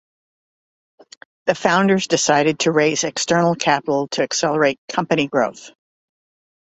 The founders decided to raise external capital to accelerate company growth.